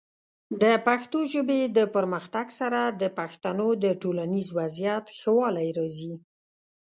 د پښتو ژبې د پرمختګ سره، د پښتنو د ټولنیز وضعیت ښه والی راځي.